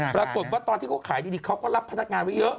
ตอนที่เขาขายดีเขาก็รับพนักงานไว้เยอะ